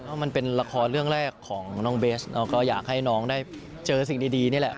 เพราะมันเป็นละครเรื่องแรกของน้องเบสก็อยากให้น้องได้เจอสิ่งดีนี่แหละ